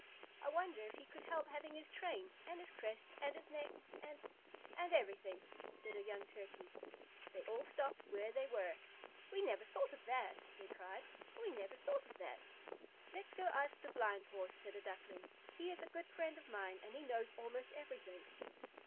"I wonder if he could help having his train, and his crest, and his neck, and and everything?" said a young Turkey. They all stopped where they were. "We never thought of that!" they cried. "We never thought of that!" "Let's go and ask the Blind Horse," said a Duckling. "He is a good friend of mine, and he knows almost everything."